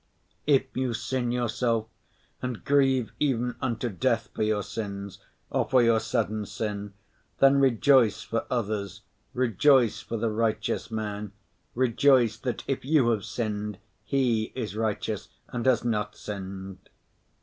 If you sin yourself and grieve even unto death for your sins or for your sudden sin, then rejoice for others, rejoice for the righteous man, rejoice that if you have sinned, he is righteous and has not sinned.